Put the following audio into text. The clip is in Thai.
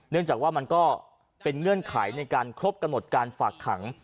จากว่ามันก็เป็นเงื่อนไขในการครบกำหนดการฝากขัง